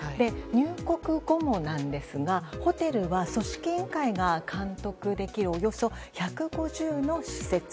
入国後もなんですがホテルは組織委員会が監督できるおよそ１５０の施設。